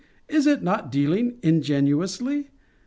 Is it not dealing ingenuously?